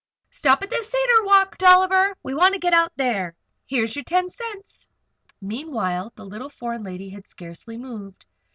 "Stop at the Cedar Walk, Dolliver. We want to get out there. Here's your ten cents." Meanwhile the little foreign lady had scarcely moved.